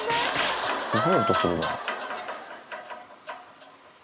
すごい音するな。